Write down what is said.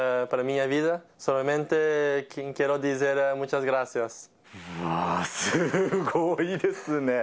うわー、すごいですね。